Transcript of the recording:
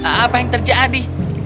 apa yang terjadi